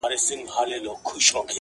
لو څه زور غواړي؟ پرې که، واچوه.